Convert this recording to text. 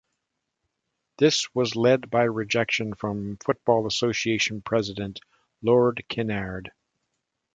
This was led by rejection from Football Association president Lord Kinnaird.